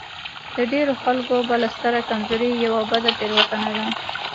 د ډېرو خلکو بله ستره کمزوري يوه بده تېروتنه ده.